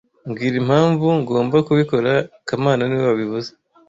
Mbwira impamvu ngomba kubikora kamana niwe wabivuze